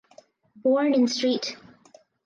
Born in St.